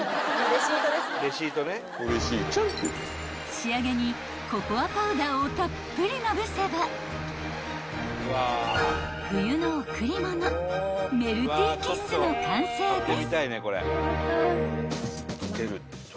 ［仕上げにココアパウダーをたっぷりまぶせば冬の贈り物メルティーキッスの完成です］